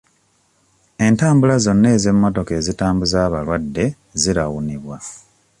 Entabula zonna ez'emmotoka ezitambuza abalwadde zirawunibwa.